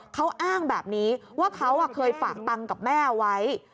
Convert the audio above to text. เขาอ้างแบบนี้ว่าเขาเคยฝากตังค์กับแม่ไว้